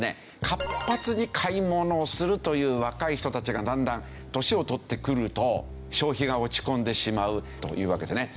活発に買い物をするという若い人たちがだんだん年を取ってくると消費が落ち込んでしまうというわけですね。